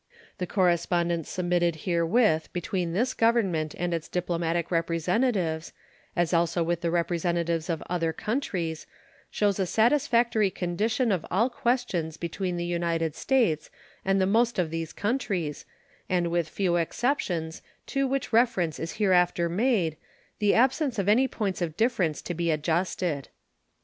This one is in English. The correspondence submitted herewith between this Government and its diplomatic representatives, as also with the representatives of other countries, shows a satisfactory condition of all questions between the United States and the most of those countries, and with few exceptions, to which reference is hereafter made, the absence of any points of difference to be adjusted.